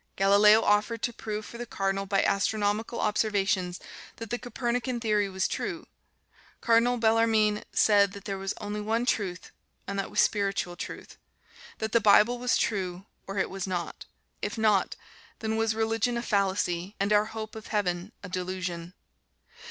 Galileo offered to prove for the Cardinal by astronomical observations that the Copernican Theory was true. Cardinal Bellarmine said that there was only one truth and that was spiritual truth. That the Bible was true, or it was not. If not, then was religion a fallacy and our hope of Heaven a delusion.